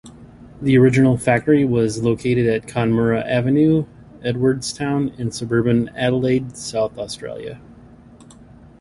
The original factory was located at Conmurra Avenue, Edwardstown in suburban Adelaide, South Australia.